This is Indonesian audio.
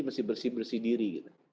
mesti bersih bersih diri